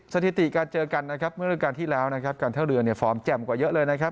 สถิติการเจอกันนะครับเมื่อฤดูการที่แล้วนะครับการท่าเรือเนี่ยฟอร์มแจ่มกว่าเยอะเลยนะครับ